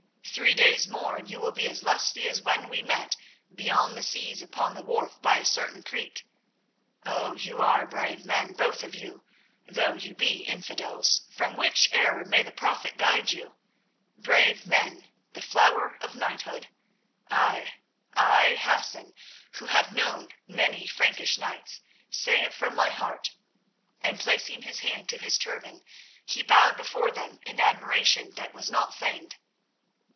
Three days more and you will be as lusty as when we met beyond the seas upon the wharf by a certain creek. Oh, you are brave men, both of you, though you be infidels, from which error may the Prophet guide you; brave men, the flower of knighthood. Ay, I, Hassan, who have known many Frankish knights, say it from my heart," and, placing his hand to his turban, he bowed before them in admiration that was not feigned.